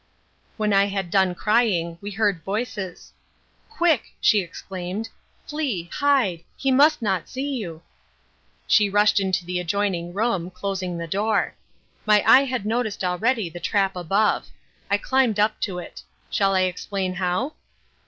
"When I had done crying, we heard voices. 'Quick,' she exclaimed, 'flee, hide, he must not see you.' She rushed into the adjoining room, closing the door. My eye had noticed already the trap above. I climbed up to it. Shall I explain how?"